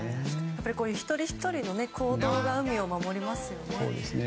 やっぱりこういう一人ひとりの行動が海を守りますよね。